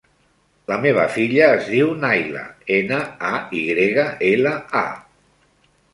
La meva filla es diu Nayla: ena, a, i grega, ela, a.